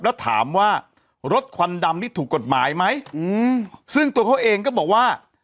แล้วถามว่ารถควันดำนี่ถูกกฎหมายไหมอืมซึ่งตัวเขาเองก็บอกว่า